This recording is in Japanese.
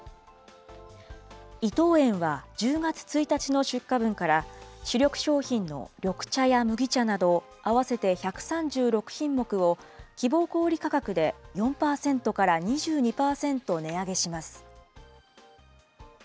伊藤園は１０月１日の出荷分から、主力商品の緑茶や麦茶などあわせて１３６ひんもくを希望小売り価格で４％から２２％値上げします。